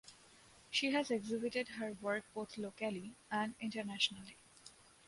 She has exhibited her work both locally and internationally.